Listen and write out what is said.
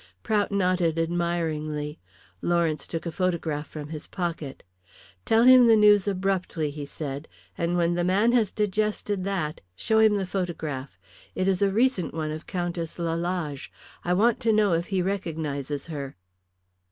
Prout nodded admiringly. Lawrence took a photograph from his pocket. "Tell him the news abruptly," he said. "And when the man has digested that, show him the photograph. It is a recent one of Countess Lalage. I want to know if he recognises her."